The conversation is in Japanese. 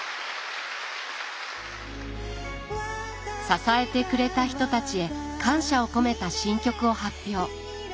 支えてくれた人たちへ感謝を込めた新曲を発表。